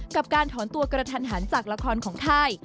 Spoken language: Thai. การถอนตัวกระทันหันจากละครของค่าย